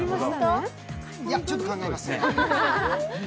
ちょっと考えますね。